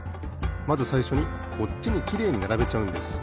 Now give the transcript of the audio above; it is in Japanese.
まずさいしょにこっちにきれいにならべちゃうんです。